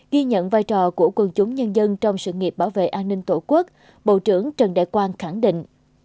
ghi nhận vai trò của quân chúng nhân dân trong sự nghiệp bảo vệ an ninh tổ quốc bộ trưởng trần đại quang khẳng định